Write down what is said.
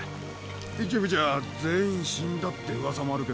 一部じゃ全員死んだって噂もあるけど。